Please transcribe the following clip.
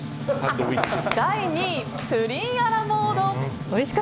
第２位、プリンアラモード。